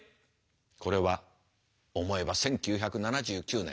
これは思えば１９７９年。